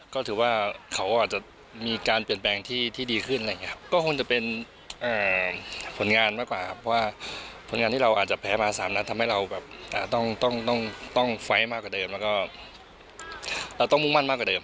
ก็ถือว่าเขาอาจจะมีการเปลี่ยนแปลงที่ดีขึ้นอะไรอย่างนี้ก็คงจะเป็นผลงานมากกว่าครับเพราะว่าผลงานที่เราอาจจะแพ้มาสามนัดทำให้เราแบบต้องต้องไฟล์มากกว่าเดิมแล้วก็เราต้องมุ่งมั่นมากกว่าเดิม